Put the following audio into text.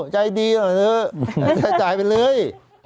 จ่ายได้เร็วจ่ายไปเลย